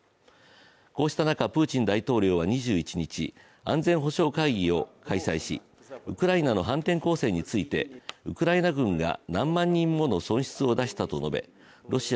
こうした中、プーチン大統領は２１日、安全保障会議を開催し、ウクライナの反転攻勢についてウクライナ軍が何万人もの損失を出したと述べ